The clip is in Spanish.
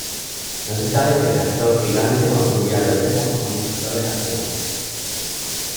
No se sabe si el castor gigante construía represas como los castores actuales.